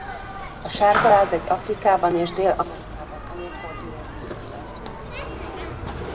A sárgaláz egy Afrikában és Dél-Amerikában előforduló vírusfertőzés.